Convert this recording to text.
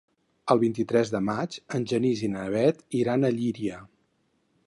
El vint-i-tres de maig en Genís i na Bet iran a Llíria.